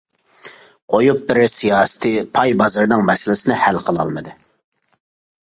قويۇپ بېرىش سىياسىتى پاي بازىرىنىڭ مەسىلىسىنى ھەل قىلالمىدى.